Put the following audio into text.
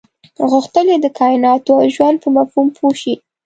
غوښتل یې د کایناتو او ژوند په مفهوم پوه شي.